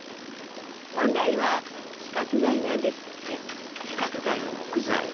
本来は規格外なんですって。